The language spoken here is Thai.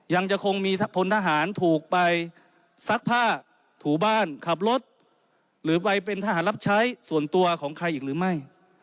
ยังจะคงมีพลทหารถูกไปซักผ้าถูบ้านขับรถหรือไปเป็นทหารรับใช้ส่วนตัวของใครอีกหรือไม่